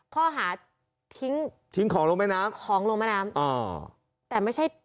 ข้อหาทิ้งของลงแม่น้ำ